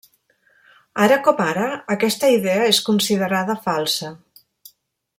Ara com ara, aquesta idea és considerada falsa.